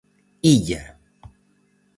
Illa.